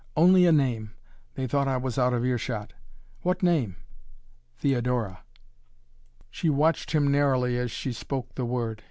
"Only a name. They thought I was out of earshot." "What name?" "Theodora!" She watched him narrowly as she spoke the word.